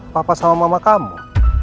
bapak sama mama kamu